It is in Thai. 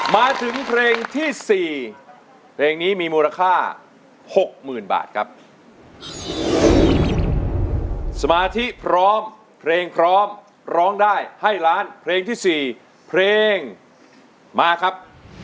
มาถึงเพลงที่สี่เพลงนี้มีมูลค่าหกหมื่นบาทครับสมาธิพร้อมเพลงพร้อมร้องได้ให้ล้านเพลงที่สี่เพลงมาครับ